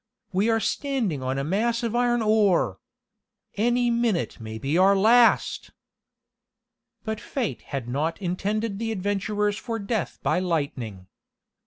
"We are standing on a mass of iron ore! Any minute may be our last!" But fate had not intended the adventurers for death by lightning.